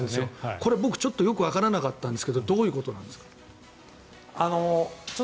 これ、僕ちょっとよくわからなかったんですがどういうことなんでしょう。